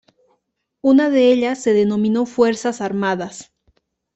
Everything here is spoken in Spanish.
Una de ellas se denominó Fuerzas Armadas.